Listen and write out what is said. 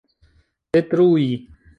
detrui